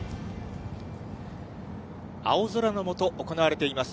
青空のもと、行われています